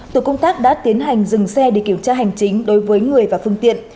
tổ công tác đã tiến hành dừng xe để kiểm tra hành chính đối với người và phương tiện